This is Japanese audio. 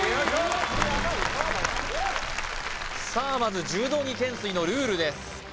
さあまず柔道着けん垂！のルールです